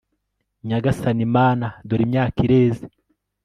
nyagasani mana, dore imyaka ireze